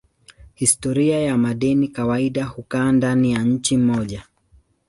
Historia ya madeni kawaida hukaa ndani ya nchi moja.